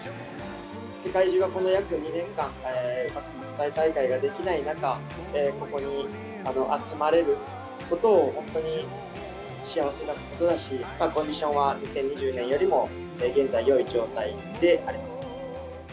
世界中がこの約２年間、国際大会ができない中、ここに集まれることを本当に幸せなことだし、コンディションは２０２０年よりも、現在よい状態であります。